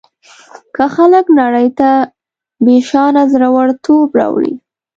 که خلک نړۍ ته بېشانه زړه ورتوب راوړي.